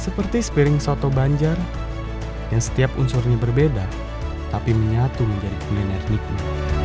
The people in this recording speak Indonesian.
seperti sepiring soto banjar yang setiap unsurnya berbeda tapi menyatu menjadi pilihan yang nikmati